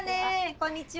こんにちは。